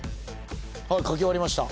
書き終わりました。